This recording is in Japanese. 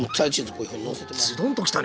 こういうふうにのせて。